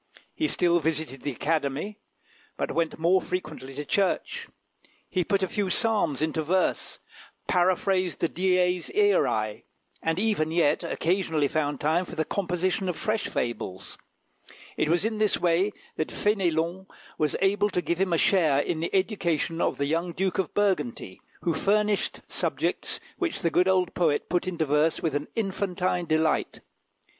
He still visited the Academy, but he went more frequently to church; he put a few psalms into verse, paraphrased the Dies Iræ, and even yet occasionally found time for the composition of fresh fables. It was in this way that Fénélon was able to give him a share in the education of the young Duke of Burgundy, who furnished subjects which the good old poet put into verse with an infantine delight.